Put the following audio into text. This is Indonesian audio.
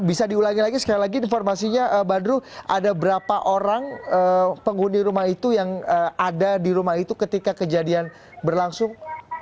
bisa diulangi lagi sekali lagi informasinya badru ada berapa orang penghuni rumah itu yang ada di rumah itu ketika kejadian berlangsung